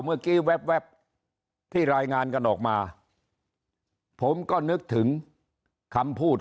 แวบที่รายงานกันออกมาผมก็นึกถึงคำพูด